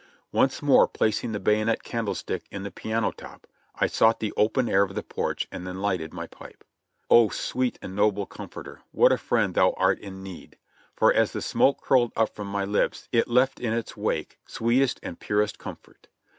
Once more placing the bayonet candlestick in the piano top, I sought the open air of the porch and then lighted my pipe. 0 sweet and noble comforter, what a friend thou art in need! for as the smoke curled up from my lips it left in its wake sweet est and purest comfort.